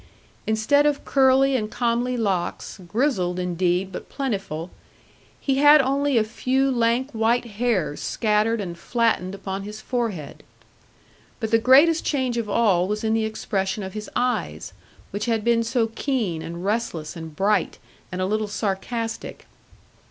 Instead of curly and comely locks, grizzled indeed, but plentiful, he had only a few lank white hairs scattered and flattened upon his forehead. But the greatest change of all was in the expression of his eyes, which had been so keen, and restless, and bright, and a little sarcastic.